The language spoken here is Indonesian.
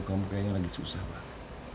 kamu kayaknya lagi susah banget